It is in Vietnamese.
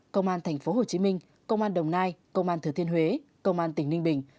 công an tp hcm công an đồng nai công an thừa thiên huế công an tỉnh ninh bình